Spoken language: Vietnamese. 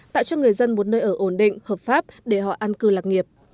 tạo cho người dân một nơi ở ổn định hợp pháp để họ an cư lạc nghiệp